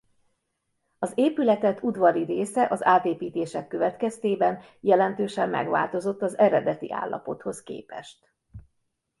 Az épületet udvari része az átépítések következtében jelentősen megváltozott az eredeti állapothoz képest.